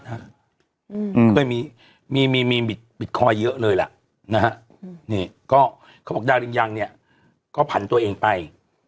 เคยมีบิตคอยน์เยอะเลยละนี่ก็เขาบอกว่าได้รึยังเนี่ยก็ผันตัวเองไป